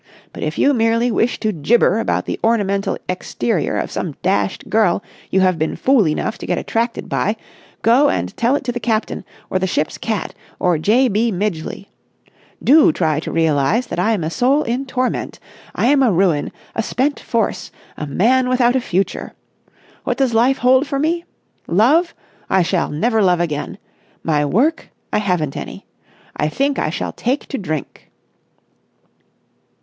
But if you merely wish to gibber about the ornamental exterior of some dashed girl you have been fool enough to get attracted by, go and tell it to the captain or the ship's cat or J. B. Midgeley. Do try to realise that I am a soul in torment. I am a ruin, a spent force, a man without a future. What does life hold for me? Love? I shall never love again. My work? I haven't any. I think I shall take to drink."